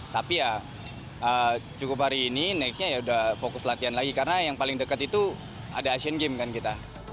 tapi ya cukup hari ini nextnya ya sudah fokus latihan lagi karena yang paling dekat itu ada asian games kan kita